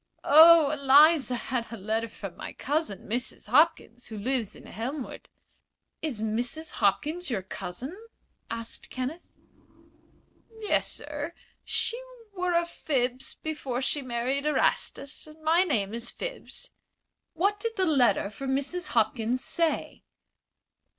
"Oh, Eliza had a letter from my cousin, Mrs. Hopkins, who lives in Elmwood." "Is Mrs. Hopkins your cousin?" asked Kenneth. "Yes, sir. She were a Phibbs before she married Erastus, and my name is Phibbs." "What did the letter from Mrs. Hopkins say?"